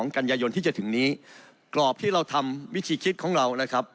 กันยายนที่จะถึงนี้กรอบที่เราทำวิธีคิดของเรานะครับ